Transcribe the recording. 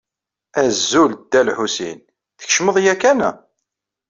Azul, Dda Lḥusin, tkecmeḍ yakan?